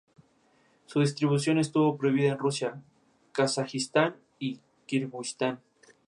Normalmente, pero no necesariamente, va acompañado por el trabajo de alfarería.